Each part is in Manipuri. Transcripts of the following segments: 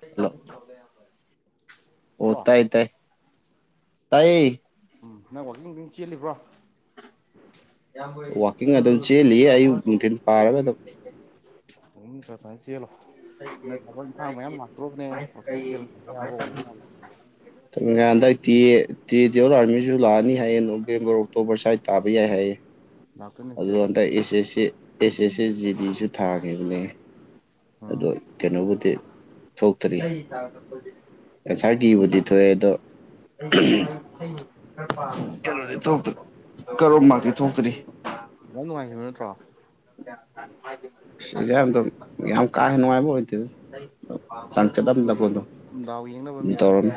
ꯍꯥꯜꯂꯣ ꯍꯜꯂꯣ ꯑꯣ ꯍꯜꯂꯣ ꯇꯥꯏ ꯇꯥꯏ ꯇꯥꯏꯌꯦ ꯎꯝ ꯅꯪ ꯋꯥꯛꯀꯤꯡ ꯅꯨꯡꯀꯤꯡ ꯆꯦꯜꯂꯤꯕ꯭ꯔꯣ ꯋꯥꯛꯀꯤꯡ ꯑꯗꯨꯝ ꯆꯦꯜꯂꯤ ꯑꯌꯨꯛ ꯅꯨꯡꯊꯤꯟ ꯄꯥꯔꯒ ꯑꯗꯨꯝ ꯎꯝ ꯈꯛꯇꯡ ꯆꯦꯜꯂꯣ ꯍꯟꯗꯛ ꯊꯕꯛ ꯏꯟꯈꯥꯡ ꯃꯌꯥꯝ ꯂꯥꯛꯇꯣꯔꯕꯅꯦꯍꯦ ꯋꯥꯀꯤꯡ ꯆꯦꯜꯂꯨ ꯑꯣꯏꯕ ꯌꯥꯕ ꯊꯨꯟꯒ ꯍꯟꯗꯛꯇꯤ ꯇꯤ ꯗꯤꯌꯣꯜ ꯑꯥꯔꯃꯤꯁꯨ ꯂꯥꯛꯑꯅꯤ ꯍꯥꯏꯌꯦ ꯅꯣꯕꯦꯝꯕ꯭ꯔ ꯑꯣꯛꯇꯣꯕ꯭ꯔ ꯁ꯭ꯋꯥꯏ ꯇꯥꯕ ꯌꯥꯏ ꯍꯥꯏꯌꯦ ꯂꯥꯛꯇꯣꯏ ꯅꯠꯇꯦ ꯑꯗꯨꯗ ꯍꯟꯇꯛ ꯑꯦꯁ S C S S C ꯖꯤꯗꯤꯁꯨ ꯊꯥꯈꯤꯕꯅꯦ ꯎꯝ ꯑꯗꯣ ꯀꯩꯅꯣꯕꯨꯗꯤ ꯊꯣꯛꯇ꯭ꯔꯤ ꯑꯟꯁꯥꯔꯀꯤꯕꯨꯗꯤ ꯊꯣꯛꯑꯦ ꯑꯗꯣ ꯀꯩꯅꯣꯗꯤ ꯊꯣꯛꯇ꯭ꯔꯣ ꯀꯠ ꯑꯣꯐ ꯃꯥꯛꯇꯤ ꯊꯣꯛꯇ꯭ꯔꯤ ꯑꯃꯣꯡ ꯅꯨꯡꯉꯥꯏꯒꯤꯕ ꯅꯠꯇ꯭ꯔꯣ ꯑꯦꯛꯖꯥꯝꯗꯨꯝ ꯌꯥꯝ ꯀꯥ ꯍꯦꯟꯅ ꯅꯨꯡꯉꯥꯏꯕ ꯑꯣꯏꯗꯦꯗ ꯑꯗꯣ ꯆꯥꯡꯆꯠ ꯑꯃꯗꯀꯣ ꯑꯗꯨꯝ ꯗꯥꯎ ꯌꯦꯡꯅꯕ ꯑꯗꯨꯝ ꯃꯤ ꯊꯕꯛ ꯇꯧꯔꯝꯃꯤ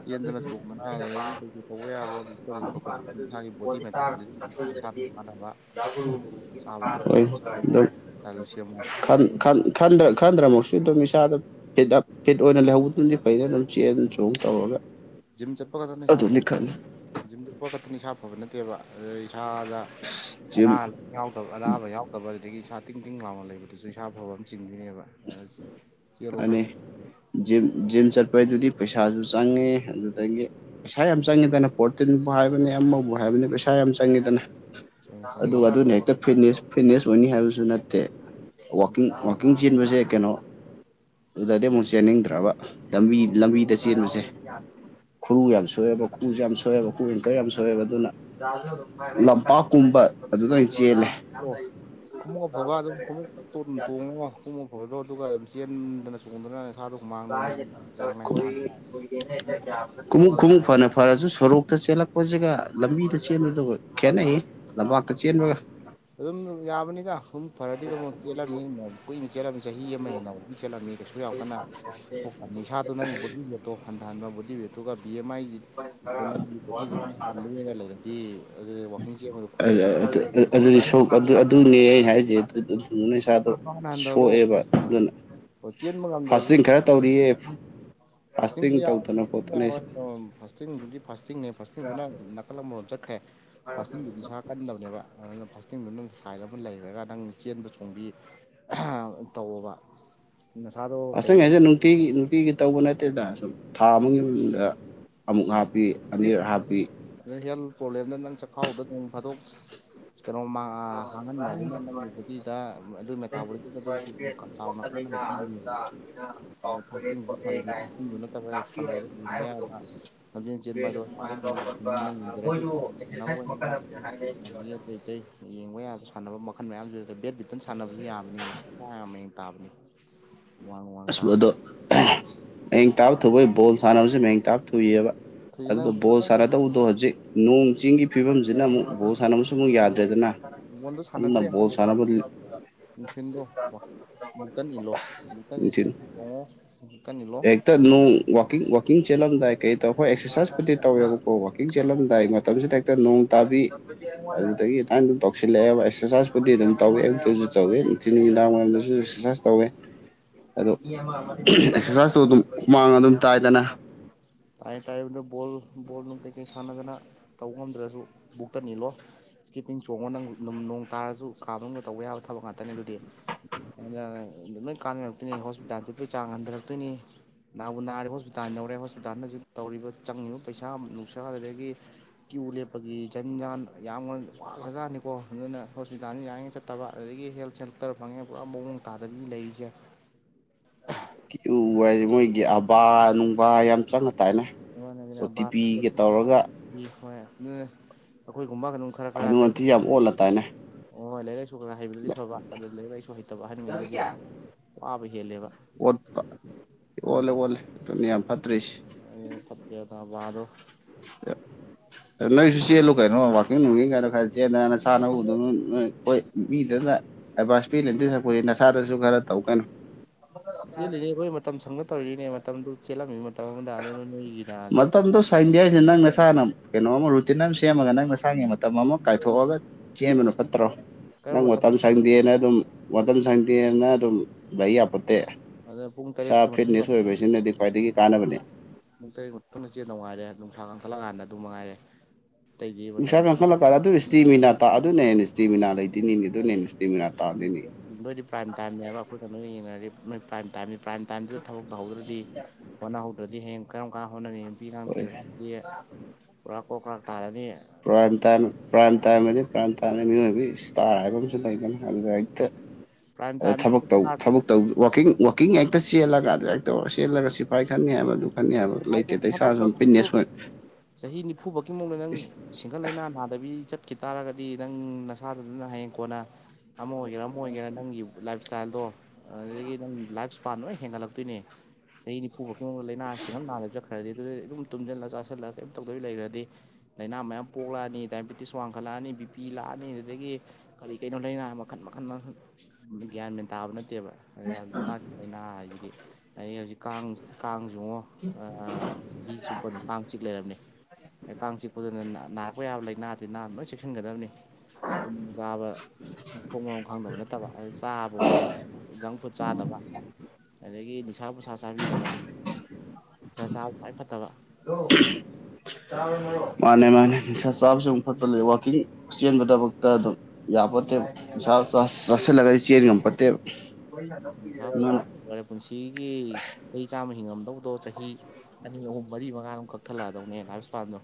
ꯆꯦꯟꯗꯅ ꯆꯣꯛꯗꯅ ꯑꯗꯨꯗꯒꯤ ꯀꯩ ꯀꯩ ꯇꯧꯕ ꯌꯥꯕ [unintelligible] ꯀ ꯊꯣꯛꯠꯄ ꯀꯥꯟꯗ ꯏꯁꯥꯒꯤ ꯕꯣꯗꯤ ꯃ ꯃꯁꯥꯗ ꯀꯥꯟꯅꯕ ꯑꯣꯖꯥ ꯒꯨꯔꯨ ꯆꯥꯕꯇ ꯀ ꯇꯂꯁꯤꯃꯣ [unintelligible] ꯈꯟ ꯈꯟ ꯈꯟꯗ꯭ꯔ ꯈꯟꯗ꯭ꯔꯃꯛꯁꯨ ꯑꯗꯨꯝ ꯃꯤꯆꯥꯗ ꯐꯤꯗꯞ ꯐꯤꯠ ꯑꯣꯏꯅ ꯂꯩꯍꯧꯕꯗꯨꯅꯗꯤ ꯐꯩꯗ ꯑꯗꯨꯝ ꯆꯦꯟ ꯆꯣꯡ ꯇꯧꯔꯒ ꯖꯤꯝ ꯆꯠꯄ ꯈꯛꯇꯅ ꯏꯁꯥ ꯑꯗꯨꯅꯤ ꯐꯕꯅꯤ ꯈꯜꯂꯤ ꯖꯤꯝ ꯆꯠꯄ ꯈꯛꯇꯅ ꯏꯁꯥ ꯐꯕ ꯅꯠꯇꯦꯕ ꯑꯗꯨꯗ ꯏꯁꯥꯗ ꯖꯤꯝ ꯉꯔꯥꯡ ꯅꯪ ꯌꯥꯎ ꯑꯅꯥꯕ ꯌꯥꯎꯗꯕ ꯑꯗꯨꯗꯒꯤ ꯏꯁꯥ ꯇꯤꯡ ꯇꯤꯡ ꯂꯥꯎꯅ ꯂꯩꯕꯗꯨꯁꯨ ꯏꯁꯥ ꯐꯕ ꯑꯃ ꯆꯤꯡꯗꯣꯏꯅꯦꯕ ꯆꯦꯜꯂꯣ ꯈꯔ ꯆꯣꯡꯉꯣ ꯑꯩꯈꯣꯏ ꯑꯗꯨꯗꯤ ꯄꯩꯁꯥꯁꯨ ꯆꯪꯉꯦ ꯑꯗꯨꯗꯒꯤ ꯄꯩꯁꯥ ꯌꯥꯝ ꯆꯪꯉꯤꯗꯅ ꯄꯣꯔꯇꯤꯟꯕꯨ ꯍꯥꯏꯕꯅꯤ ꯑꯃꯕꯨ ꯍꯥꯏꯕꯅꯤ ꯄꯩꯁꯥ ꯌꯥꯝ ꯆꯪꯉꯤꯗꯅ ꯆꯣꯡꯉꯦ ꯑꯗꯨꯒ ꯆꯪꯉꯅꯤ ꯑꯗꯨꯅ ꯍꯦꯛꯇ ꯐꯤꯠꯅꯦꯁ ꯐꯤꯠꯅꯦꯁ ꯑꯣꯏꯅꯤ ꯍꯥꯏꯕꯁꯨ ꯅꯠꯇꯦ ꯋꯥꯀꯤꯡ ꯋꯥꯀꯤꯡ ꯆꯦꯟꯕꯖꯦ ꯀꯩꯅꯣ ꯑꯗꯨꯗꯗꯤ ꯑꯃꯨꯛ ꯆꯦꯟꯅꯤꯡꯗ꯭ꯔꯕ ꯂꯝꯕꯤ ꯂꯝꯕꯤꯗ ꯆꯦꯟꯕꯁꯦ ꯈꯨꯔꯨ ꯌꯥꯝ ꯁꯣꯛꯑꯦꯕ ꯈꯨꯔꯨꯁꯦ ꯌꯥꯝ ꯁꯣꯛꯑꯦꯕ ꯈꯨ ꯑꯦꯡꯀ꯭ꯔ ꯌꯥꯝ ꯁꯣꯛꯑꯦꯕ ꯑꯗꯨꯅ ꯂꯝꯄꯥꯛꯀꯨꯝꯕ ꯑꯗꯨꯗ ꯑꯣꯏꯅ ꯆꯦꯜꯂꯦ ꯑꯣ ꯈꯨꯃꯨꯡꯑꯐꯕ ꯑꯗꯨꯝ ꯈꯨꯃꯨꯛ ꯄꯣꯠ ꯑꯗꯨꯝ ꯇꯣꯡꯉꯒ ꯈꯣꯡꯎꯞ ꯑꯐꯕꯗꯣ ꯑꯗꯨꯒ ꯑꯗꯨꯝ ꯆꯦꯟꯗꯅ ꯆꯣꯡꯗꯅ ꯐꯥꯗꯣꯃꯥꯡ ꯅꯣꯡꯃꯩ ꯆꯥꯡ [unintelligible] ꯈꯨꯃꯨꯛ ꯈꯨꯃꯨꯛ ꯐꯅ ꯐꯔꯁꯨ ꯁꯣꯔꯣꯛꯇ ꯆꯦꯜꯂꯛꯄꯁꯤꯒ ꯂꯝꯕꯤꯗ ꯆꯦꯟꯕꯗꯨꯒ ꯈꯦꯠꯅꯩꯍꯦ ꯂꯝꯄꯥꯛꯇ ꯆꯦꯟꯕꯒ ꯑꯗꯨꯝ ꯌꯥꯕꯅꯤꯗ ꯁꯨꯝ ꯐꯔꯗꯤ ꯑꯗꯨꯃꯛ ꯆꯦꯜꯂꯝꯃꯤ ꯀꯨꯏꯅ ꯆꯦꯜꯂꯝꯃꯤ ꯆꯍꯤ ꯑꯃ ꯍꯦꯟꯅ ꯆꯦꯜꯂꯝꯂꯅꯤ ꯀꯩꯁꯨ ꯌꯥꯝ ꯀꯟꯅ ꯊꯣꯛꯅꯤꯁꯥꯗꯣ ꯅꯪꯒꯤ ꯕꯣꯗꯤ ꯋꯦꯜꯇꯣ ꯍꯟꯊꯍꯟꯕ ꯕꯣꯗꯤ ꯑꯗꯨꯒ ꯚꯤ ꯑꯦꯝ ꯑꯥꯏꯒꯤꯗꯣ ꯅꯪꯒꯤ ꯕꯣꯗꯤꯗꯨ ꯂ‌ꯦꯡ ꯂꯩꯍꯜꯂꯒꯗꯤ ꯑꯗꯨ ꯋꯥꯛꯀꯤꯡ ꯆ‌ꯦꯟꯕ ꯑꯗꯨꯗꯤ ꯁꯣꯛ ꯑꯗꯨꯅꯦ ꯑꯩ ꯍꯥꯏꯁꯦ ꯏꯁꯩꯥꯗꯣ ꯍꯥꯟꯅ ꯍꯟꯊꯍꯜꯂꯣ ꯁꯣꯛꯑꯦꯕ ꯑꯗꯨꯅ ꯆꯦꯟꯕ ꯐꯥꯁꯇꯤꯡ ꯈꯔ ꯇꯧꯔꯤꯌꯦ ꯐ ꯐꯥꯁꯇꯤꯡ ꯇꯧꯗꯅ ꯈꯣꯠꯇꯅ [unintelligible] ꯐꯥꯁꯇꯤꯡꯗꯨꯗꯤ ꯐꯥꯁꯇꯤꯡꯅꯦ ꯐꯥꯁꯇꯤꯡꯗꯨꯅ ꯅꯥꯀꯜ ꯑꯃꯥꯔ‌ꫭꯝ ꯆꯠꯈ꯭ꯔꯦ ꯐꯥꯁꯇꯤꯡꯗꯨꯗꯤ ꯁ ꯀꯟꯗꯕꯅꯦꯕ ꯑꯗꯨꯅ ꯐꯥꯁꯇꯤꯡꯗꯨ ꯅꯪ ꯁꯥꯏꯠ ꯑꯃ ꯂꯩꯈ꯭ꯔꯒ ꯅꯪ ꯆꯦꯟꯕ ꯆꯣꯡꯕꯤ [unintelligible] ꯇꯧꯋꯣꯕ ꯅꯁꯥꯗꯣ ꯀꯩ ꯑꯁꯡ ꯍꯥꯎꯏꯦ ꯅꯨꯡꯇꯤꯒꯤ ꯅꯨꯄꯤꯒꯤ ꯇꯧꯕ ꯅꯠꯇꯦꯗ ꯁꯨꯝ ꯊꯥ ꯑꯃꯒꯤ ꯃꯅꯨꯡꯗ ꯑꯃꯨꯛ ꯍꯥꯞꯄꯤ ꯑꯅꯤꯔꯛ ꯍꯥꯞꯄꯤ ꯑꯗ ꯍꯦꯜꯠ ꯄ꯭ꯔꯣꯕ꯭ꯂꯦꯝꯗ ꯅꯪ ꯆꯥꯛꯈꯥꯎꯗ ꯅꯪ ꯐꯥꯗꯣꯛ ꯀꯩꯅꯣꯥ ꯃꯥꯡ ꯑ ꯍꯥꯡꯍꯟꯕ ꯑꯗꯨꯅ ꯅꯪꯒꯤ ꯕꯣꯗꯤꯗ ꯑꯗꯨ ꯃꯦꯇꯥꯕꯣꯂꯤꯖꯝ ꯑꯗꯨꯁꯨ ꯆꯥꯎꯅ ꯀꯥꯟꯅꯕ ꯄꯤꯔꯤꯅꯦꯕ ꯐꯥꯁꯇꯤꯡꯗꯨ ꯐꯩꯅꯤ ꯐꯥꯁꯇꯤꯡꯗꯨ ꯅꯠꯇꯕ ꯑꯦꯛꯁꯇ꯭ꯔꯥ ꯑꯣꯏꯕ ꯎꯝꯕ ꯌꯥꯕ ꯆꯦꯟꯕꯗꯣ ꯑꯩꯥꯏ ꯦꯡꯕꯔ ꯁꯁꯤꯡꯅꯤ ꯅꯪꯕꯤꯔꯗꯤ ꯁꯥꯟꯅꯅꯕ ꯑꯣꯏꯅꯤ ꯑꯇꯩ [unintelligible] ꯑꯇꯩ ꯌꯦꯡꯕ ꯌꯥꯕꯁꯨ ꯁꯥꯟꯅꯕ ꯃꯈꯜ ꯃꯌꯥꯝꯁꯤꯗ ꯕꯦꯠꯃꯤꯟꯇꯟ ꯁꯥꯟꯅꯕꯁꯨ ꯌꯥꯕꯅꯦ ꯃꯁꯤ ꯌꯥꯝ ꯃꯌꯦꯡ ꯇꯥꯕꯅꯤ ꯋꯥꯥꯡ ꯋꯥꯥꯡ ꯑꯁ ꯇꯥ ꯊꯨꯕ‌ꫭꯏ ꯕꯣꯜ ꯁꯥꯟꯅꯕꯁꯤ ꯃꯌꯦꯡ ꯇꯥꯕ ꯊꯨꯏꯑꯕ ꯑꯗꯨꯗꯤ ꯅꯪ ꯑꯗꯨꯗ ꯕꯣꯜ ꯕ꯭ꯔꯗꯔ ꯁꯥꯟꯅꯗꯧꯕꯗꯣ ꯍꯧꯖꯤꯛ ꯅꯣꯡ ꯆꯤꯡꯒꯤ ꯐꯤꯕꯝꯁꯤꯅ ꯑꯃꯨꯛ ꯚꯣꯜ ꯁꯥꯟꯅꯕꯁꯨ ꯑꯃꯨꯛ ꯌꯥꯗ꯭ꯔꯦꯗꯅ ꯅꯪ ꯕꯣꯟꯗꯣ ꯑꯗꯨꯅ ꯁꯥꯟꯅꯗ꯭ꯔꯦ ꯚ‌ꫭꯜ ꯍꯥꯏꯕꯗꯣ ꯁꯥꯟꯕꯒꯤ ꯅꯨꯡꯊꯤꯟꯗꯣ ꯕꯩꯛꯇꯟ ꯏꯜꯂꯣ ꯕꯨꯛꯇꯪ ꯏ ꯌꯦꯡꯉꯣ ꯑꯦꯛꯇꯅꯤ ꯋꯥꯀꯤꯡ ꯋꯥꯀꯤꯡ ꯆꯦꯜꯂꯝꯗꯥꯏ ꯀꯩꯗꯧ ꯑꯩꯈꯣꯏ ꯑꯦꯛꯁꯔꯁꯥꯏꯁꯄꯨꯗꯤ ꯇꯧꯋꯦꯕꯀꯣ ꯋꯥꯀꯤꯡ ꯆꯦꯜꯠꯂꯝꯗꯥꯏ ꯃꯇꯝꯁꯤꯗ ꯍ‌ꯦꯛꯇ ꯅ‌ꫭꯡ ꯇꯥꯕꯤ ꯑꯗꯨꯗꯒꯤ ꯑꯗꯥꯏꯅ ꯑꯗꯨꯝ ꯇꯧꯁꯤꯜꯂꯛꯑꯦꯕ ꯑꯦꯛꯁꯔꯁꯥꯏꯖꯄꯨꯗꯤ ꯑꯗꯨꯝ ꯇꯧꯋꯦ ꯑꯌꯨꯛꯇꯁꯨ ꯇꯧꯋꯤ ꯊꯤꯟ ꯅꯨꯃꯤꯗꯥꯡ ꯋꯥꯏꯝꯗꯁꯨ ꯑꯦꯛꯁꯔꯁꯥꯏꯁ ꯇꯧꯋꯦ ꯑꯗꯣ ꯑꯦꯛꯁꯔꯁꯥꯏꯁ ꯇꯨ ꯑꯗꯨꯝ ꯍꯨꯃꯥꯡ ꯑꯗꯨꯝ ꯇꯥꯏꯗꯅ ꯇꯥꯏ ꯇꯥꯏꯕꯗꯣ ꯕꯣꯜ ꯕꯣꯜ ꯅꯨꯡ ꯀꯩꯀꯩ ꯁꯥꯟꯅꯗꯅ ꯇꯧꯕ ꯉꯝꯗ꯭ꯔꯁꯨ ꯕꯨꯛꯇꯟ ꯏꯜꯂꯣ ꯀꯤꯇꯤꯡ ꯆꯣꯡꯉꯣ ꯅꯪ ꯗꯨꯝ ꯅꯣꯡ ꯇꯥꯔꯁꯨ ꯀꯥ ꯃꯅꯨꯡꯗ ꯇꯧꯕ ꯌꯥꯕ ꯊꯕꯛ ꯉꯥꯛꯇꯅꯤ ꯑꯗꯨꯗꯤ [unintelligible] ꯂꯣꯏ ꯀꯥꯟꯅꯔꯛꯇꯣꯏꯅꯤ ꯍꯣꯁꯄꯤꯇꯥꯜ ꯆꯠꯄꯩ ꯆꯥꯡ ꯍꯟꯗꯔꯛꯇꯣꯏꯅꯤ ꯅꯥꯕꯨ ꯅꯥꯔꯗꯤ ꯍꯣꯁꯄꯤꯇꯥꯜ ꯌꯧꯔꯦ ꯍꯣꯁꯄꯤꯇꯥꯜꯗ ꯍꯧꯖꯤꯛ ꯇꯧꯔꯤꯕ ꯆꯪꯉꯤꯕ ꯄꯩꯁꯥ ꯅꯨꯡꯁꯥ ꯑꯗꯨꯗꯒꯤ ꯀ꯭ꯌꯨ ꯂꯦꯞꯄꯒꯤ ꯆꯟ ꯖꯥꯟ ꯌꯥꯝ ꯋꯥꯒ꯭ꯔꯖꯥꯠꯅꯤꯀꯣ ꯑꯗꯨꯅ ꯍꯣꯁꯄꯤꯇꯥꯜꯁꯤ ꯌꯥꯔꯤꯉꯩ ꯆꯠ ꯇꯕ ꯑꯗꯨꯗꯒꯤ ꯍꯦꯜꯠ ꯁꯦꯟꯇꯔ ꯐꯪꯉꯦ ꯄꯨꯔꯥ ꯃꯑꯣꯡ ꯇꯥꯗꯕꯤ ꯂꯩꯔꯤꯁꯦ ꯀ꯭ꯌꯤꯎ ꯍꯥꯏꯁꯦ ꯃꯣꯏꯒꯤ ꯑꯕꯥ ꯅꯨꯡꯕꯥ ꯌꯥꯝ ꯆꯪꯉ ꯇꯥꯏꯅꯦ ꯑꯩꯉꯣꯟꯗꯗꯤꯅꯦ ꯑꯣ ꯇꯤ ꯄꯤꯒ ꯇꯧꯔꯒ [unintelligible] ꯍꯣꯏ ꯑꯗꯨꯅꯦ ꯑꯈꯣꯏꯒꯨꯝꯕ ꯀꯩꯅꯣ [unintelligible] ꯌꯥꯝ ꯑꯣꯜꯂ ꯇꯥꯏꯅꯦ ꯑꯣ ꯍꯣꯏ ꯂꯥꯏꯔꯤꯛ ꯂꯥꯏꯁꯨ ꯈꯔ ꯈꯔ ꯍꯩꯕꯗꯗꯤ ꯐꯕ ꯑꯗꯨ ꯂꯥꯏꯔꯤꯛ ꯂꯥꯏꯁꯨ ꯍꯩꯇꯕ ꯑꯍꯟꯉꯩꯗꯗꯤ ꯋꯥꯕ ꯍꯦꯜꯂꯦꯕ ꯑꯣꯠꯄ ꯑꯣꯜꯂꯦ ꯑꯣꯜꯂꯦ ꯑꯗꯨꯅꯤ ꯌꯥꯝ ꯐꯠꯇ꯭ꯔꯤꯁꯤ ꯎꯝ ꯐꯠꯇꯦ ꯑꯗ ꯑꯕꯥꯗꯣ ꯑ ꯅꯪꯁꯨ ꯆꯦꯜꯂꯨ ꯀꯩꯅꯣ ꯋꯥꯛꯀꯤꯡ ꯅꯨꯡꯀꯤꯡ ꯀꯥꯏꯗꯣ ꯈꯔ ꯆꯦꯟꯗꯅ ꯅꯁꯥ ꯅꯑꯨꯒꯗꯣ ꯅꯣꯏ ꯅꯣꯏ ꯍꯣꯏ ꯃꯤꯗꯗ ꯑꯦꯗꯚꯥꯟꯁ ꯄꯤꯂꯩꯗꯣꯏ ꯁꯔꯨꯛꯄꯨꯗꯤ ꯅꯁꯥꯗꯁꯨ ꯈꯔ ꯇꯧ ꯀꯩꯅꯣ ꯆꯦꯜꯂꯤꯅꯦ ꯑꯩꯈꯣꯏ ꯃꯇꯝ ꯁꯪꯗ ꯇꯧꯔꯤꯅꯦ ꯃꯇꯝꯗꯨ ꯆꯦꯜꯂꯝꯃꯤ ꯑꯃꯗ ꯑꯗꯨꯅ ꯅꯣꯏꯒꯤꯅ ꯃꯇꯝꯗꯣ ꯁꯪꯗꯦ ꯍꯥꯏꯁꯦ ꯅꯪ ꯅꯁꯥꯅ ꯀꯩꯅꯣꯝꯃ ꯔꯨꯇꯤꯟ ꯑꯃ ꯁꯦꯝꯃꯒ ꯅꯪ ꯆꯁꯥꯒꯤ ꯃꯠ ꯃꯇꯝ ꯑꯃ ꯀꯥꯏꯊꯣꯛꯑꯒ ꯆꯦꯟꯕꯅ ꯐꯠꯇ꯭ꯔꯣ ꯅꯪ ꯃꯇꯝ ꯁꯪꯗꯦꯅ ꯑꯗꯨꯝ ꯃꯇꯝ ꯁꯪꯗꯦꯅ ꯑꯗꯨꯝ ꯂꯩ ꯌꯥꯄꯣꯠꯇꯦ ꯑꯗ ꯄꯨꯡ ꯏꯁꯥ ꯇꯔꯦꯠꯀꯤ ꯃꯇꯨꯡꯗ ꯐꯤꯠꯅꯦꯁ ꯑꯣꯏꯕꯁꯤꯅꯗꯤ ꯈ꯭ꯋꯥꯏꯗꯒꯤ ꯀꯥꯟꯅꯕꯅꯤ ꯄꯨꯡ ꯇꯔꯦꯠ ꯃꯇꯨꯡꯗ ꯆꯦꯟꯗꯧ ꯉꯥꯏꯔꯦ ꯅꯨꯡꯁꯥ ꯀꯟꯈꯠꯂꯀꯥꯟꯗ ꯑꯗꯨ ꯃꯉꯥꯏꯔꯦ ꯑꯇꯩꯗꯤ ꯃꯇꯝ ꯅꯨꯡꯁꯥ ꯀꯟꯈꯠꯂꯀꯥꯟꯗ ꯑꯗꯨ ꯏꯁꯇꯦꯃꯤꯅꯥ ꯇꯥ ꯑꯗꯨꯅ ꯍꯦꯟꯅ ꯏꯁꯇꯦꯃꯤꯅꯥ ꯂꯩꯗꯣꯏꯅꯤꯅꯦ ꯑꯗꯨꯅ ꯍꯦꯟꯅ ꯏꯁꯇꯦꯃꯤꯅꯥ ꯇꯥꯟꯗꯣꯏꯅꯤ ꯅꯣꯏꯗꯤ ꯄ꯭ꯔꯥꯏꯝ ꯇꯥꯏꯝꯅꯦꯕ ꯑꯩꯈꯣꯏꯒ ꯅꯣꯏꯒ ꯌꯦꯡꯅꯔꯗꯤ ꯅꯣꯏ ꯄ꯭ꯔꯥꯏꯝ ꯇꯥꯏꯝꯅꯤ ꯄ꯭ꯔꯥꯏꯝ ꯇꯥꯏꯝꯗꯨꯗ ꯊꯕꯛ ꯇꯧꯍꯧꯗ꯭ꯔꯗꯤ ꯍꯣꯠꯅꯍꯧꯗ꯭ꯔꯗꯤ ꯍꯌꯦꯡ ꯀꯔꯝ ꯀꯥꯟ ꯍꯣꯠꯅꯅꯤ ꯅꯨꯄꯤꯒꯥꯡ ꯍꯣꯏ ꯊꯤꯔꯀꯥꯟꯗꯤ ꯄꯨꯔꯥ ꯀꯣꯛ ꯀ꯭ꯔꯥꯛ ꯇꯥꯔꯅꯤ ꯄ꯭ꯔꯝ ꯄ꯭ꯔꯥꯏꯝ ꯇꯥꯏꯝ ꯑꯅꯤ ꯄ꯭ꯔꯥꯏꯝ ꯇꯥꯏꯝꯅꯤ ꯃꯤꯑꯣꯏꯕ ꯏꯁꯇꯥꯔ ꯍꯥꯏꯕ ꯑꯃꯁꯨ ꯂꯩꯒꯅꯤ ꯑꯗꯨꯗ ꯍꯦꯛꯇ ꯎ ꯑꯗ ꯊꯕꯛ ꯇꯧ ꯊꯕꯛ ꯇꯧ ꯋꯥꯀꯤꯡ ꯀꯛꯀꯤꯡ ꯍꯦꯛꯇ ꯆꯦꯜꯂꯒ ꯑꯗꯨ ꯍꯦꯛ ꯇꯧꯔꯒ ꯆꯦꯜꯂꯒ ꯁꯤꯐꯥꯏ ꯈꯟꯅꯤ ꯍꯥꯏꯕꯗꯨꯣ ꯀꯟꯕ ꯂꯩꯇꯦ ꯄꯩꯁꯥꯁꯨ ꯑꯗꯨ ꯄꯤ ꯍꯣꯠꯅꯍꯧꯗ꯭ꯔꯒꯁꯨ ꯆꯍꯤ ꯅꯤꯐꯨꯕꯣꯛꯀꯤ ꯃꯅꯨꯡꯗ ꯅꯪ ꯁꯤꯡꯒꯜ ꯂꯩꯥꯅꯥ ꯅꯥꯗꯕꯤ ꯆꯠ ꯀꯤ ꯇꯥꯔꯒꯗꯤ ꯅꯪ ꯅꯁꯥꯗꯨꯗꯅ ꯍꯌꯦꯡ ꯀꯣꯟꯅ ꯑꯃ ꯑꯣꯏꯒꯦꯔꯥ ꯑꯃ ꯑꯣꯏꯒꯦꯔꯥ ꯅꯪꯒꯤ ꯂꯥꯏꯐ ꯁ꯭ꯇꯥꯏꯜꯗꯣ ꯑꯗꯨꯗꯒꯤ ꯅꯪꯒꯤ ꯂꯥꯏꯐ ꯁꯄꯥꯥꯟ ꯂꯣꯏ ꯍꯦꯟꯒꯠꯂꯛꯇꯣꯏꯅꯦ ꯆꯍꯤ ꯅꯤꯐꯨꯕꯣꯛꯀꯤ ꯃꯅꯨꯡꯗ ꯂꯩꯅꯥ ꯁꯤꯉꯝ ꯅꯥꯗꯕꯤ ꯆꯠꯈ꯭ꯔꯗꯤ ꯑꯗꯨꯗꯩꯗꯤ ꯑꯗꯨꯝ ꯇꯨꯝꯖꯜꯂ ꯆꯥꯁꯜꯂꯒ ꯀꯩꯝ ꯇꯧꯗꯕꯤ ꯂꯩꯔꯗꯤ ꯂꯩꯅꯥ ꯃꯌꯥꯝ ꯄꯣꯛꯂꯛꯑꯅꯤ ꯗꯥꯏꯕꯤꯇꯤꯁ ꯋꯥꯡꯈꯠꯂꯛꯑꯅꯤ ꯕꯤ ꯄꯤ ꯂꯥꯛꯑꯅꯤ ꯑꯗꯨꯗꯒꯤ ꯀꯔꯤ ꯀꯔꯤꯅꯣ ꯂꯩꯅꯥ ꯃꯈꯟ ꯃꯈꯟ ꯃꯈ ꯒ꯭ꯌꯥꯟ ꯃꯦꯟ ꯇꯥꯕ ꯅꯦ ꯐꯠꯇꯦꯕ ꯑꯗꯨ ꯑꯩꯅ ꯍꯥꯏꯁꯤꯗꯤ ꯑꯩ ꯍꯧꯖꯤꯛ ꯀꯥꯡ ꯆꯉꯣ [unintelligible] ꯑ ꯌꯤ ꯆꯨꯞꯄꯅ ꯀꯥꯡ ꯆꯤꯛ ꯂꯩꯔꯝꯃꯦ ꯀꯥꯡꯁꯤ ꯄꯨꯗꯅ ꯅꯥꯔꯛꯄ ꯌꯥꯕ ꯂꯥꯏꯅꯥ ꯇꯤꯟꯅꯥ ꯂꯣꯏꯅ ꯆꯦꯛꯁꯤꯟꯒꯗꯕꯅꯤ ꯑꯗꯨꯝ ꯆꯥꯕ ꯃꯐꯣꯛ ꯃꯔꯣꯡ ꯈꯪꯗꯕ ꯅꯠꯇꯕ ꯑꯗꯨ ꯆꯥꯕ ꯑꯣꯏꯌꯦꯦ ꯖꯪ ꯐꯨꯗ ꯆꯥꯗꯕ ꯑꯗꯒꯤ ꯅꯤꯁꯥ ꯄꯨꯁꯥ ꯆꯥꯕꯤꯗꯕ ꯆꯥꯕꯥꯏ ꯐꯠꯇꯕ ꯑ ꯃꯥꯅꯦ ꯃꯥꯅꯦ ꯅꯨꯡꯁꯥ ꯆꯥꯕꯁꯨ ꯑꯃꯨꯛ ꯐꯠꯄ ꯂꯩ ꯋꯥꯋꯥꯛꯀꯤꯡ ꯆꯦꯟꯕ ꯊꯕꯛꯇ ꯑꯗꯨꯝ ꯌꯥꯄꯠꯇꯦ ꯆ ꯁꯁꯦ ꯂꯒ ꯆꯔꯤ ꯌꯥꯝꯄꯠꯇꯦ ꯁꯥꯞ ꯁꯥꯔꯦ ꯄꯨꯟꯁꯤꯒꯤ ꯆꯍꯤ ꯆꯥꯝꯃ ꯍꯤꯡꯉꯝꯗꯧꯕꯗꯣ ꯆꯍꯤ ꯑꯅꯤ ꯑꯍꯨꯝ ꯃꯔꯤ ꯃꯉꯥ ꯃꯨꯛ ꯀꯛꯊꯠꯂꯛꯑꯗꯧꯅꯦ ꯂꯥꯏ ꯁꯄꯥꯟꯗꯣ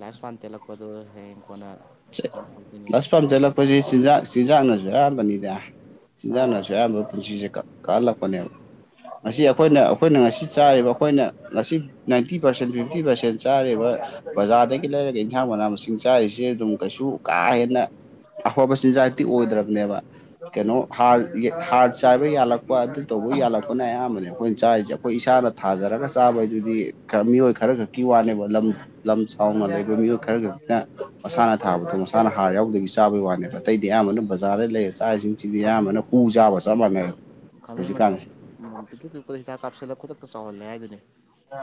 ꯂꯥꯏꯞ ꯁꯄꯥꯟ ꯇꯦꯂꯛꯄꯗꯨ ꯍꯌꯦꯡ ꯀꯣꯟꯅ ꯆꯠ ꯉꯝꯗꯣꯏꯅꯦ ꯂꯥꯏ ꯁꯄꯥꯟ ꯇꯦꯟꯂꯛꯄꯖꯤ ꯆꯤꯟꯖꯥꯛ ꯆꯤꯟꯖꯥꯛꯅꯖꯨ ꯑꯌꯥꯝꯕꯅꯤꯗ ꯆꯥꯔꯤ ꯆꯤꯟꯖꯥꯛꯅꯁꯨ ꯑꯌꯥꯝꯕ ꯄꯨꯟꯁꯤꯁꯦ ꯀꯛ ꯀꯛꯍꯜꯂꯛꯄꯅꯦꯕ ꯉꯁꯤ ꯑꯩꯈꯣꯏꯅ ꯑꯩꯈꯣꯏꯅ ꯉꯁꯤ ꯆꯥꯔꯤꯕ ꯑꯩꯈꯣꯏꯅ ꯉꯁꯤ ꯅꯥꯏꯟꯇꯤ ꯄꯥꯔꯁꯦꯟ ꯐꯤꯞꯇꯤ ꯄꯥꯔꯁꯦꯟ ꯆꯥꯔꯤꯕ ꯕꯖꯥꯔꯗꯒꯤ ꯂꯩꯔꯒ ꯏꯟꯁꯥꯡ ꯃꯅꯥ ꯃꯁꯤꯡ ꯆꯥꯔꯤꯁꯦ ꯑꯗꯨꯝ ꯀꯩꯁꯨ ꯀꯥ ꯍꯦꯟꯅ ꯑꯐꯕ ꯆꯤꯟꯖꯥꯛꯇꯤ ꯑꯣꯏꯗ꯭ꯔꯕꯅꯦꯕ ꯀꯩꯅꯣ ꯍꯥꯔ ꯌꯦ ꯍꯥꯔ ꯆꯥꯏꯕ ꯌꯥꯜꯂꯛꯄ ꯑꯗꯨ ꯇꯧꯕ ꯌꯥꯜꯂꯛꯄꯅ ꯑꯌꯥꯝꯕꯅꯦ ꯑꯩꯈꯣꯏꯅ ꯆꯥꯔꯤꯁꯦ ꯈꯣꯏ ꯏꯁꯥꯅ ꯊꯥꯖꯔꯒ ꯆꯥꯕꯩꯗꯨꯗꯤ ꯈꯔ ꯃꯤꯑꯣꯏ ꯈꯔ ꯈꯛꯀꯤ ꯋꯥꯅꯦꯕ ꯂꯝ ꯂꯝ ꯆꯥꯎꯥꯎꯅ ꯂꯩꯕ ꯃꯤꯑꯣꯏ ꯈꯔꯒꯛꯇ ꯃꯁꯥꯅ ꯊꯥꯕꯗꯣ ꯃꯁꯥꯅ ꯍꯥꯔ ꯌꯥꯎꯗꯕꯤ ꯆꯥꯕꯩ ꯋꯥꯅꯦꯕ ꯑꯇꯩꯗꯤ ꯑꯌꯥꯝꯕꯅ ꯕꯖꯥꯔꯗꯩ ꯂꯩꯔ ꯆꯥꯔꯤꯁꯤꯡꯁꯤꯗꯤ ꯑꯌꯥꯝꯕꯅ ꯍꯨ ꯆꯥꯕꯒ ꯆꯞ ꯃꯥꯟꯅꯔꯦꯕ ꯈꯥꯃꯦꯟ ꯃꯆꯥ ꯄꯤꯛꯇ꯭ꯔꯨ ꯄꯤꯛꯄꯗ ꯍꯤꯗꯥꯛ ꯀꯥꯞꯁꯤꯜꯂ ꯈꯨꯗꯛꯇ ꯆꯥꯎꯍꯜꯂꯦ ꯍꯥꯏꯗꯨꯅꯤ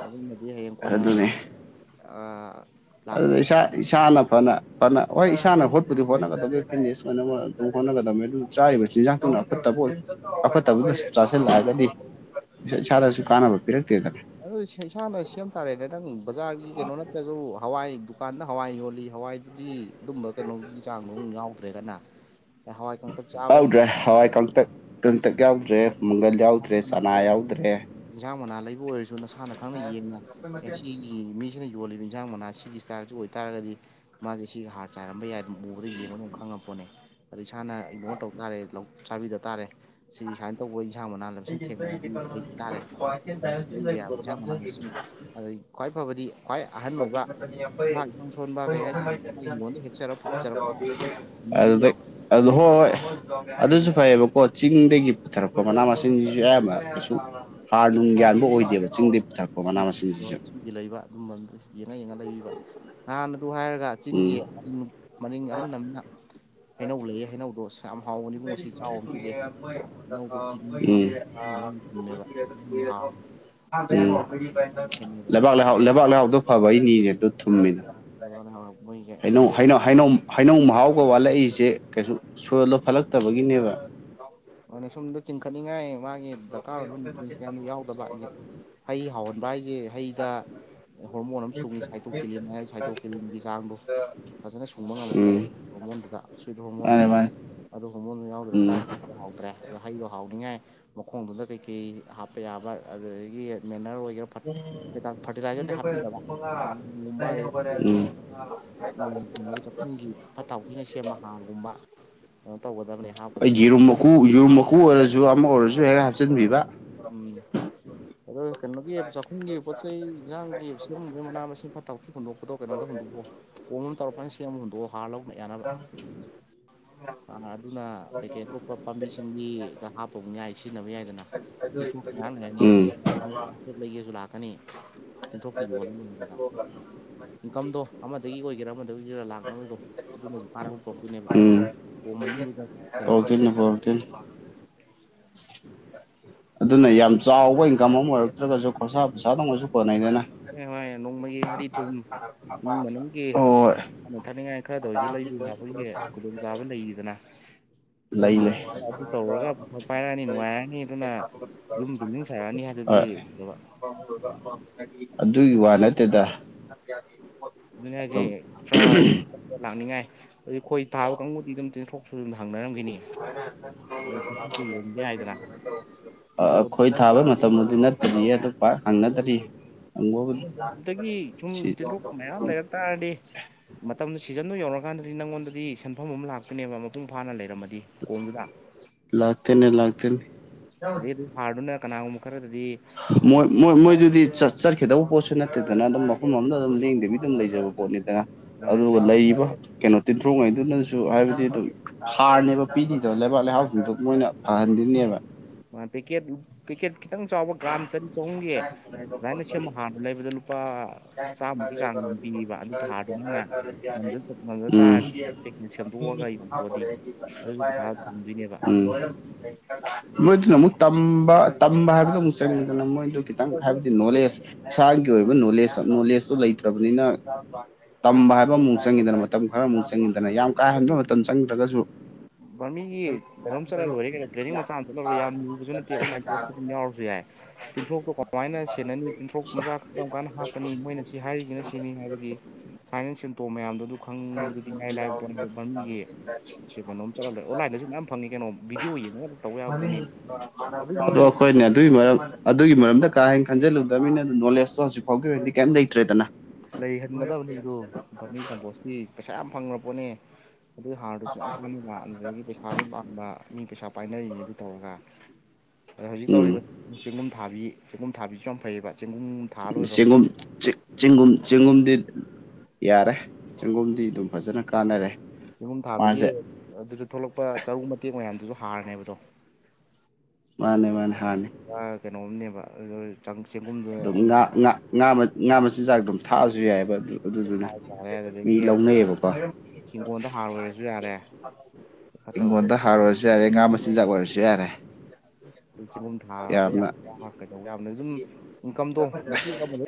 ꯑꯗꯨꯝꯅꯗꯤ ꯍꯌꯦꯡ ꯀꯣꯟꯅ ꯑꯑꯑ ꯑꯗꯨꯗ ꯏꯁꯥ ꯏꯁꯥꯅ ꯐꯅ ꯐꯅ ꯍꯣꯏ ꯏꯁꯥꯅ ꯍꯣꯠꯄꯨꯗꯤ ꯍꯣꯠꯅꯒꯗꯕꯦ ꯐꯤꯠꯅꯦꯁ ꯑꯣꯏꯅꯕ ꯑꯗꯨꯝ ꯍꯣꯠꯅꯒꯗꯝꯅꯤ ꯑꯗꯨ ꯆꯥꯔꯤꯕ ꯆꯤꯟꯖꯥꯛꯇꯨꯅ ꯑꯐꯠꯇꯕ ꯑꯣꯏ ꯑꯐꯠꯇꯕꯗꯨꯗ ꯁꯨꯝ ꯆꯥꯁꯤꯜꯂꯛꯑꯒꯗꯤ ꯏꯁꯥ ꯏꯁꯥꯗꯁꯨ ꯀꯥꯟꯅꯕ ꯄꯤꯔꯛꯇꯦꯗꯅ ꯑꯗꯨꯗꯤ ꯁꯦ ꯏꯁꯥꯅ ꯁꯦꯝ ꯇꯥꯔꯦꯗꯅ ꯅꯪ ꯕꯖꯥꯔꯒꯤ ꯀꯩꯅꯣ ꯅꯠꯇ꯭ꯔꯖꯨ ꯍꯋꯥꯏ ꯗꯨꯀꯥꯟꯗ ꯍꯋꯥꯏ ꯌꯣꯜꯂꯤ ꯍꯋꯥꯏ ꯗꯤ ꯑꯗꯨꯝꯕ ꯀꯩꯅꯣꯒꯤ ꯆꯥꯡꯗꯣ ꯑꯗꯨꯝ ꯌꯥꯎꯗ꯭ꯔꯦꯗꯅ ꯍꯋꯥꯏ ꯀꯡꯇꯛ ꯌꯥꯎꯗ꯭ꯔꯦ ꯍꯋꯥꯏ ꯀꯪꯇꯛ ꯀꯪꯇꯛ ꯌꯥꯎꯗ꯭ꯔꯦ ꯃꯪꯒꯜ ꯌꯥꯎꯗ꯭ꯔꯦ ꯃꯅꯥ ꯆꯅꯥ ꯂꯩꯕ ꯌꯥꯎꯗ꯭ꯔꯦ ꯏꯟꯖꯥꯡ ꯃꯅꯥ ꯂꯩꯕ ꯑꯣꯏꯔꯁꯨ ꯅꯁꯥꯅ ꯈꯪꯅ ꯌꯦꯡꯅ ꯑꯦꯟꯁꯤ ꯃꯤꯁꯤꯅ ꯌꯣꯜꯂꯤꯕ ꯏꯟꯁꯥꯡ ꯃꯅꯥ ꯁꯤꯒꯤ ꯁꯇꯥꯏꯜꯁꯤ ꯑꯣꯏꯇꯥꯔꯒꯗꯤ ꯃꯥꯁꯦ ꯁꯤꯒꯤ ꯍꯥꯔ ꯆꯥꯏꯔꯝꯕ ꯌꯥꯏ ꯑꯗꯨꯝ ꯎꯕꯗ ꯌꯦꯡꯕ ꯑꯗꯨꯝ ꯈꯪꯉꯛꯄꯣꯠꯅꯦ ꯑꯗ ꯏꯁꯥꯅ ꯏꯒꯅꯣꯔ ꯇꯧ ꯇꯥꯔꯦ ꯆꯥꯕꯤꯗ ꯇꯥꯔꯦ ꯁꯤ ꯁꯥꯏꯅ ꯇꯧꯕ꯭ꯔꯣ ꯏꯟꯁꯖꯡ ꯃꯅꯥ ꯃꯁꯤꯡ ꯑꯗꯨ ꯂꯩꯗ ꯇꯥꯔꯦ ꯑꯗꯨ ꯂꯩꯕ ꯌꯥꯕ ꯑꯦꯟꯁꯥꯡ ꯃꯅꯥꯥ ꯃꯁꯤꯡ ꯑꯗꯩ ꯈ꯭ꯋꯥꯏ ꯐꯕꯗꯤ ꯈ꯭ꯋꯥꯏ ꯑꯍꯟ ꯑꯣꯏꯕ ꯏꯁꯥꯒ ꯏꯁꯣꯟ ꯁꯣꯟꯕ ꯀꯩ ꯍꯥꯏꯅꯤ ꯏꯁꯥꯒꯤ ꯍꯤꯡꯒꯣꯟꯗꯩ ꯍꯦꯛꯆꯔ ꯄꯨꯖꯔꯛꯄ ꯍꯅꯨꯕꯤ ꯑꯗꯨꯗ ꯑꯗꯨ ꯍꯣꯏ ꯍꯣꯏ ꯌꯥꯎꯕꯗꯤ ꯑꯗꯨꯁꯨ ꯐꯩꯌꯦꯕ ꯀꯣ ꯆꯤꯡꯗꯒꯤ ꯄꯨꯊꯔꯛꯄ ꯃꯅꯥ ꯃꯁꯤꯡꯁꯤꯁꯨ ꯑꯌꯥꯝꯕ ꯀꯩꯁꯨ ꯍꯥꯔ ꯅꯨꯡ ꯌꯥꯟꯕ ꯑꯣꯏꯗꯦꯕ ꯆꯤꯡꯗꯩ ꯄꯨꯊꯔꯛꯄ ꯃꯅꯥ ꯃꯁꯤꯡꯁꯤꯁꯨ ꯂꯩꯕ ꯑꯗꯨꯝꯕꯗꯨ ꯌꯦꯡꯉ ꯌꯦꯡꯉ ꯂꯩꯕꯤꯕ ꯅꯍꯥꯟ ꯑꯗꯨ ꯍꯥꯏꯔꯒ ꯆꯤꯡꯒꯤ ꯎꯝ ꯃꯔꯤꯡ ꯃꯔꯤꯡ ꯑꯍꯜ ꯑꯃꯅ ꯍꯩꯅꯧ ꯂꯩꯌꯦ ꯍꯩꯅꯧꯗꯣ ꯁꯪ ꯌꯥꯝ ꯍꯥꯎꯕꯅꯤ ꯢꯕꯨꯉꯣ ꯁꯤ ꯁꯨꯏ ꯆꯥꯎꯅ ꯑꯃ ꯄꯤꯔꯛꯑꯦ ꯑꯅꯧꯕ ꯆꯤꯅꯤ ꯊꯥꯛꯄꯗꯧ ꯊꯨꯝꯃꯦꯕ [unintelligible] ꯈꯦꯠꯅꯩꯕ ꯂꯩꯕꯥꯛ ꯂꯩꯍꯥꯎꯗꯨ ꯂꯩꯕꯥꯛ ꯂꯩꯍꯥꯎꯗꯣ ꯐꯕꯩ ꯅꯤꯅꯦ ꯑꯗꯨ ꯊꯨꯝꯃꯤꯗꯣ ꯂꯩꯕꯥꯛ ꯂꯩꯍꯥꯎ ꯩꯍꯩꯅꯧ ꯍꯩꯅꯧ ꯃꯍꯥꯎꯒ ꯋꯥꯠꯂꯛꯏꯁꯦ ꯀꯩꯁꯨ ꯁꯣꯏꯜꯗꯣ ꯐꯠꯂꯛꯇꯕꯒꯤꯅꯦꯕ ꯑꯗꯨꯅꯦ ꯁꯣꯝꯗ ꯆꯤꯡꯈꯠꯅꯤꯡꯉꯥꯏ ꯃꯥꯒꯤ ꯗꯔꯀꯥꯔ ꯑꯣꯏꯕ ꯅꯨꯇ꯭ꯔꯤꯑꯦꯟꯠꯁ ꯀꯌꯥꯃꯨꯛ ꯌꯥꯎꯗꯕ ꯑꯗꯒꯤ ꯍꯩ ꯍꯥꯎꯍꯟꯕ ꯍꯥꯏꯁꯦ ꯍꯩꯗ ꯍꯣꯔꯃꯣꯟ ꯑꯃ ꯁꯨꯡꯏ ꯁꯥꯏꯇꯣꯀꯤꯅꯤꯟ ꯍꯥꯏ ꯁꯥꯏꯇꯣꯀꯤꯅꯤꯟꯒꯤ ꯆꯥꯡꯗꯣ ꯐꯖꯅ ꯁꯨꯡꯕ ꯉꯝꯃꯛꯇꯕ ꯎꯝ ꯍꯣꯔꯃꯣꯟꯗꯨꯗ ꯁꯤꯠ ꯍꯣꯔꯃꯣꯟꯗꯣ ꯃꯥꯅꯦ ꯃꯥꯅꯦ ꯑꯗꯨ ꯍꯣꯔꯃꯣꯟꯗꯨ ꯌꯥꯎꯗ꯭ꯔ ꯎꯝ ꯇꯥꯔꯗꯤ ꯗ꯭ꯔꯦ ꯑꯗꯣ ꯍꯩꯗꯣ ꯍꯥꯎꯅꯤꯡꯉꯥꯏ ꯃꯈꯣꯡꯗꯨꯗ ꯀꯩꯀꯩ ꯍꯥꯞꯄ ꯌꯥꯕ ꯑꯗꯨꯗꯒꯤ ꯃꯦꯅꯔ ꯑꯣꯏꯒꯦꯔꯥ ꯒꯤꯇꯤꯂꯤꯖꯤ ꯗꯤ ꯍꯄꯧꯗꯕ [inaudible] ꯎꯝ ꯌꯨꯝꯒꯤ ꯐꯠꯇꯥ ꯍꯥꯎꯊꯤꯅ ꯁꯦꯝꯕ ꯍꯥꯔꯒꯨꯝꯕ ꯀꯩꯅꯣ ꯇꯧꯒꯗꯕꯅꯦ ꯍꯥꯞꯀꯗꯕꯅꯦ ꯎꯨ ꯌꯦꯔꯨꯝ ꯃꯀꯨ ꯑꯣꯏꯔꯖꯨ ꯑꯃ ꯑꯣꯏꯔꯖꯨ ꯍꯦꯛ ꯍꯥꯞꯆꯤꯟꯕꯤꯕ ꯎꯝ ꯑꯗꯣ ꯀꯩꯅꯣꯒꯤ ꯆꯥꯛꯈꯨꯝꯒꯤ ꯄꯣꯠ ꯆꯩꯩ ꯏꯟꯖꯥꯡꯒꯤꯕꯁꯤꯗꯒꯤ ꯃꯅꯥ ꯃꯁꯤꯡ ꯐꯇ ꯍꯥꯎꯗꯤ ꯀꯩꯅꯣꯗ ꯍꯨꯟꯗꯣꯛꯑꯣ ꯀꯣꯝ ꯑꯃ ꯇꯧꯔꯒꯥ ꯐꯖꯅꯥ ꯁꯦꯝꯃꯒꯥ ꯍꯨꯟꯗꯣꯛꯑꯣ ꯍꯥꯔꯂꯧꯕꯥ ꯌꯥꯅꯕ ꯎꯝ [inaudible] ꯍꯥꯔ ꯗꯨꯅ ꯀꯩꯀꯩ ꯑꯇꯣꯞꯄ ꯄꯥꯝꯕꯤꯁꯤꯡꯕꯤꯗ ꯍꯥꯞꯄꯕꯥ ꯑꯃꯨꯛ ꯌꯥꯏ ꯁꯤꯖꯤꯟꯅꯕ ꯌꯥꯏꯗꯅ ꯇꯤꯟꯊꯔꯣꯛ ꯁꯨ ꯃꯌꯥꯝ ꯂꯩꯔꯅꯤ ꯎꯝ ꯂꯩꯒꯦꯁꯨ ꯂꯥꯛꯀꯅꯤ ꯇꯤꯟꯇ꯭ꯔꯣꯛꯇꯤ ꯌꯣꯟꯕꯥ ꯑꯗꯨꯝ ꯅꯨꯡꯉꯥꯏ ꯏꯟꯀꯝꯗꯣ ꯑꯃꯗꯒꯤ ꯑꯣꯏꯒꯦꯔꯥ ꯑꯃꯗꯒꯤ ꯑꯣꯏꯒꯦꯔꯥ ꯂꯥꯛꯅꯕꯗꯣ ꯑꯗꯨꯅꯁꯨ ꯀꯥꯟꯅꯕ ꯄꯨꯔꯛꯇꯣꯏꯅꯦꯕ ꯀꯣꯝ ꯃꯅꯨꯡꯗꯨꯗ ꯀꯩꯅꯣ ꯍꯥꯞꯄ ꯄꯣꯔꯛꯇꯨꯏꯅꯦ ꯄꯣꯔꯛꯇꯨꯏꯅꯦ ꯑꯗꯨꯅ ꯌꯥꯝ ꯆꯥꯎꯕ ꯏꯟꯀꯝ ꯑꯃ ꯑꯣꯏꯔꯛꯇ꯭ꯔꯒꯁꯨ ꯈꯣꯔꯁꯥ ꯄꯣꯠꯁꯥꯗ ꯑꯣꯏꯁꯨ ꯀꯣꯟꯅꯩꯗꯅ ꯍꯣꯏ ꯅꯣꯡꯃꯒꯤ ꯉꯥꯔꯤ ꯊꯨꯝ ꯏꯃꯨꯡ ꯃꯅꯨꯡꯒꯤ ꯍꯣꯏ ꯆꯅꯤꯡꯉꯥꯢ ꯊꯥꯛꯅꯤꯡꯉꯥꯏ ꯈꯔꯗ ꯑꯣꯏꯁꯨ ꯂꯩꯕ ꯌꯥꯕꯒꯤ ꯈꯨꯗꯣꯡꯆꯥꯕ ꯂꯩꯔꯤꯗꯅ ꯑꯗꯨ ꯂꯩ ꯂꯩ ꯑꯗꯨ ꯇꯧꯔꯒ ꯄꯩꯁꯥ ꯄꯥꯏꯔꯛꯑꯅꯤ ꯅꯨꯡꯉꯥꯏꯔꯅꯤ ꯑꯗꯨꯅ ꯌꯨꯝ ꯕꯤꯜꯗꯤꯡ ꯁꯥꯔꯛꯑꯅꯤ ꯍꯥꯏꯗꯨꯗꯤ ꯍꯣꯏ ꯅꯠꯇꯕ ꯑꯗꯨꯒꯤ ꯋꯥ ꯅꯠꯇꯦꯗ ꯑꯗꯨꯅ ꯍꯥꯏꯁꯦ ꯑꯗꯨꯝ ꯄꯔꯧ ꯂꯥꯛꯅꯤꯡꯉꯥꯏ ꯑꯗꯨ ꯈꯣꯏ ꯊꯥꯕ ꯀꯥꯡꯕꯨꯗꯤ ꯑꯗꯨꯝ ꯇꯤꯟꯊꯔꯣꯛꯁꯨ ꯑꯗꯨꯝ ꯍꯪꯅꯔꯝꯈꯤꯅꯤ ꯇꯤꯟꯊ꯭ꯔꯣꯛꯀ ꯌꯣꯟꯕ ꯌꯥꯏꯗꯅ ꯇꯤꯟꯊ꯭ꯔꯣꯛ ꯈꯣꯏ ꯊꯥꯕ ꯃꯇꯝꯕꯨꯗꯤ ꯅꯠ ꯑꯗꯨ ꯈꯥꯛ ꯍꯪꯅꯗꯔꯒꯗꯤ ꯍꯪꯕꯨꯗꯤ ꯀꯩꯒꯨꯝꯕ ꯂꯩꯔꯝ ꯇꯔꯗꯤ ꯃꯇꯝꯗꯨ ꯁꯤꯖꯟꯗꯨ ꯌꯧꯔꯛꯟꯗꯗꯤ ꯅꯪꯉꯣꯟꯗꯟꯗꯗꯤ ꯁꯦꯟꯐꯝ ꯑꯃ ꯂꯥꯛꯇꯣꯏꯅꯦꯕꯥ ꯃꯄꯨꯡ ꯐꯥꯅ ꯂꯩꯔꯝꯃꯗꯤ ꯀꯣꯝꯗꯨꯗ ꯂꯥꯛꯇꯣꯏꯅꯦ ꯂꯥꯛꯇꯣꯏꯅꯤ ꯑꯗꯩ ꯍꯥꯔꯗꯨꯅ ꯀꯅꯥꯒꯨꯝꯕ ꯈꯔꯗꯗꯤ ꯍꯥ ꯃꯣꯏ ꯃꯣꯏꯗꯨꯗꯤ ꯆꯠ ꯆꯠꯈꯤꯗꯧꯕ ꯄꯣꯠꯁꯨ ꯅꯠꯇꯦꯗꯅ ꯑꯗꯨꯝ ꯃꯐꯝ ꯑꯃꯗꯥ ꯑꯗꯨꯝ ꯂꯦꯡꯗꯕꯤ ꯑꯗꯨꯝ ꯂꯩꯖꯕ ꯄꯣꯠꯅꯤꯗꯅ ꯑꯗꯨꯒ ꯂꯩꯔꯤꯕ ꯀꯩꯅꯣ ꯇꯤꯟꯊꯔꯣꯛꯈꯩꯗꯨꯅꯁꯨ ꯍꯥꯏꯕꯗꯤ ꯑꯗꯨꯝ ꯍꯥꯔꯅꯦꯕ ꯄꯤꯔꯤꯗꯣ ꯂꯩꯕꯥꯛ ꯂꯩꯍꯥꯎꯁꯤꯡꯗꯣ ꯃꯣꯏꯅ ꯐꯍꯟꯗꯣꯏꯅꯦꯕ ꯄꯦꯛꯀꯦꯠ ꯄꯦꯛꯀꯦꯠ ꯈꯤꯇꯪ ꯆꯥꯎꯕ ꯒ꯭ꯔꯥꯝ ꯆꯅꯤ ꯆꯍꯨꯝꯒꯤ ꯑꯗꯨꯃꯥꯏꯅ ꯁꯦꯝꯕ ꯍꯥꯔ ꯂꯩꯕꯗ ꯂꯨꯄꯥ ꯆꯥꯝꯃꯨꯛꯀꯤ ꯆꯥꯡ ꯑꯗꯨꯝ ꯄꯤꯌꯦꯕ ꯑꯗꯨ ꯍꯥꯔꯗꯨ ꯅꯪꯅ ꯉꯝꯖ ꯆꯠ ꯉꯝꯖ ꯎꯝ [inaudible] ꯇꯥꯔꯗꯤ ꯄꯦꯛꯀꯦꯠ ꯃꯤ ꯁꯦꯝꯗꯣꯛꯑꯒ ꯃꯤꯗꯤ ꯒꯤ ꯌꯣꯟꯊꯣꯛꯑꯗꯤ ꯃꯈꯥꯄꯣꯂꯦ ꯍꯥꯏꯗꯤ ꯑꯗꯨꯒꯤ ꯄꯩꯁꯥ ꯐꯪꯗꯣꯏꯅꯦꯕ [inaudible] ꯑꯗꯨꯅ ꯄꯩꯁꯥ ꯃꯣꯏꯗꯨꯅ ꯑꯃꯨꯛ ꯇꯝꯕ ꯇꯝꯕ ꯍꯥꯏꯕꯗꯣ ꯑꯃꯨꯛ ꯆꯪꯉꯤꯗꯅ ꯃꯣꯏꯗꯨ ꯈꯤꯇꯪ ꯍꯥꯏꯕꯗꯤ ꯅꯣꯂꯦꯖ ꯏꯁꯥꯒꯤ ꯑꯣꯏꯕ ꯅꯣꯂꯦꯖ ꯅꯣꯂꯦꯖꯇꯣ ꯂꯩꯇ꯭ꯔꯕꯅꯤꯅ ꯇꯝꯕ ꯍꯥꯏꯕ ꯑꯃꯨꯛ ꯆꯪꯏꯗꯅ ꯃꯇꯝ ꯈꯔ ꯑꯃꯨꯛ ꯆꯪꯏꯗꯅ ꯌꯥꯝ ꯀꯥ ꯍꯦꯟꯕ ꯃꯇꯝ ꯆꯪꯗ꯭ꯔꯒꯁꯨ ꯕꯥꯔꯃꯤꯒꯤ ꯀꯩꯅꯣꯝ ꯆꯠꯂꯒꯥ ꯂꯣꯏꯔꯦ ꯀꯩꯅꯣ ꯇ꯭ꯔꯦꯅꯤꯡ ꯃꯆꯥ ꯑꯃ ꯆꯠꯂꯒꯥ ꯌꯥꯝ ꯂꯨꯕꯁꯨ ꯅꯠꯇꯦ ꯑꯣꯟꯂꯥꯏꯟ ꯀꯂ꯭ꯥꯁ ꯌꯥꯎꯔ ꯌꯥꯏ ꯇꯤꯟꯊ꯭ꯔꯣꯛꯇꯣ ꯀꯃꯥꯏꯅ ꯁꯦꯟꯅꯅꯤ ꯇꯤꯟꯊ꯭ꯔꯣꯛ ꯃꯆꯥ ꯀꯔꯝ ꯀꯥꯟꯗ ꯍꯥꯞꯄ ꯄꯅꯤ ꯃꯣꯏꯅ ꯁꯤ ꯍꯥꯏꯔꯤꯁꯤꯅ ꯁꯤꯅꯤ ꯍꯥꯏꯕꯒꯤ ꯁꯨꯃꯥꯢꯅ ꯁꯤꯝꯇꯣꯝ ꯃꯌꯥꯝꯗꯣ ꯑꯗꯨ ꯈꯪꯕꯗꯨꯗꯤ ꯏꯂꯥꯏ ꯂꯥꯏꯕ ꯎ ꯄꯝꯕꯤꯒꯤ ꯁꯦ ꯀꯩꯅꯣꯝ ꯆꯠꯂ ꯂꯣꯢꯔꯦ ꯑꯣꯟꯂꯥꯏꯟꯗꯁꯨ ꯃꯌꯥꯝ ꯐꯪꯉꯤ ꯀꯩꯅꯣ ꯚꯤꯗꯤꯑꯣ ꯌꯦꯡꯉꯒ ꯇꯧꯕ ꯌꯥꯕ ꯄꯣꯠꯅꯤꯗ ꯑꯗꯣ ꯑꯩꯈꯣꯏꯅꯦ ꯑꯗꯨꯏ ꯃꯔꯝ ꯑꯗꯨꯒꯤ ꯃꯔꯝꯗ ꯀꯥ ꯍꯦꯟꯅ ꯈꯟꯖꯤꯜꯂꯨꯗꯕꯅꯤꯅ ꯅꯣꯂꯦꯖꯇꯣ ꯍꯧꯖꯤꯛ ꯐꯥꯎꯒꯤ ꯑꯣꯏꯅꯗꯤ ꯀꯩꯝ ꯂꯩꯇ꯭ꯔꯦꯗꯅ ꯂꯩꯍꯟꯒꯗꯕꯅꯤꯗꯨ ꯐꯝꯃꯤ ꯀꯝꯄꯣꯁꯀꯤ ꯄꯩꯁꯥ ꯌꯥꯝ ꯐꯪꯈ꯭ꯔ ꯄꯣꯠꯅꯤ ꯑꯗꯨ ꯍꯥꯔꯗꯨꯁꯨ ꯌꯥꯝ ꯀꯥꯟ ꯂꯥꯛꯑꯝꯗꯨꯢꯅꯤ ꯄꯩꯁꯥꯁꯨ ꯄꯥꯝꯕ ꯃꯤ ꯄꯩꯁꯥ ꯄꯥꯏꯅꯔꯤꯅꯤ ꯑꯗꯨ ꯇꯧꯔꯒ ꯑꯗꯣ ꯍꯧꯖꯤꯛ ꯎꯝ ꯇꯧꯔꯤꯕ ꯆꯦꯡꯒꯨꯝ ꯊꯥꯕꯤ ꯆꯦꯡꯒꯨꯝ ꯊꯥꯕꯤꯁꯨ ꯌꯥꯝ ꯐꯩꯑꯦꯕ ꯆꯦꯡꯒꯨꯝ ꯊꯥ ꯂꯣꯏꯈ꯭ꯔꯣ ꯆꯦꯡꯒꯨꯝ ꯆꯦꯡꯒꯨꯝ ꯆꯦꯡꯒꯨꯝꯗꯤ ꯌꯥꯔꯦ ꯆꯦꯡꯒꯨꯝꯗꯤ ꯑꯗꯨꯝ ꯐꯖꯅ ꯀꯥꯟꯅꯔꯦ ꯆꯦꯡꯒꯨꯝ ꯊꯥꯕꯒꯤ ꯃꯥꯁꯦ ꯑꯗꯨꯗ ꯊꯣꯛꯂꯛꯄ ꯆꯔꯨ ꯃꯇꯦꯛ ꯃꯌꯥꯝꯗꯨꯁꯨ ꯍꯥꯔꯅꯦꯕꯗꯣ ꯑꯗꯨ ꯃꯥꯅꯦ ꯃꯥꯅꯦ ꯍꯥꯟꯅꯤ ꯀꯩꯅꯣꯝꯅꯦꯕ ꯑꯗꯨ ꯆꯦꯡꯒꯨꯝꯗꯨ ꯑꯗꯨꯝ ꯑꯃꯨꯛ ꯉꯥꯥ ꯉꯥ ꯉꯥ ꯃꯆꯤꯟꯖꯥꯛ ꯑꯗꯨꯝ ꯊꯥꯛꯑꯁꯨ ꯌꯥꯏꯌꯦꯕ ꯑꯗꯨ ꯑꯗꯨꯗꯨꯅ ꯏꯁꯕ ꯌꯥꯔꯦ ꯃꯤ ꯑꯗꯨꯗꯒꯤ ꯂꯧꯅꯩꯌꯦꯕꯀꯣ ꯍꯤꯡꯈꯣꯜꯗ ꯍꯥꯔ ꯂꯣꯏꯔꯁꯨ ꯌꯥꯔꯦ [inaudible] ꯐꯠꯇꯕ ꯄꯣꯠ ꯏꯪꯈꯣꯟꯗ ꯍꯥꯔ ꯑꯣꯏꯔꯁꯨ ꯌꯥꯔꯦ ꯉꯥ ꯃꯆꯤꯟꯖꯥꯛ ꯑꯣꯏꯔꯁꯨ ꯌꯥꯔꯦ ꯆꯦꯡꯒꯨꯝ ꯊꯥꯕ ꯌꯥꯝꯅ ꯌꯥꯕ꯭ꯔꯥ ꯀꯩꯗꯧ ꯌꯥꯕꯅꯣ ꯑꯗꯨꯝ ꯏꯟꯀꯝꯗꯣ ꯃꯇꯦꯛ ꯑꯃꯗ